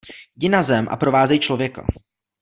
Jdi na zem a provázej člověka.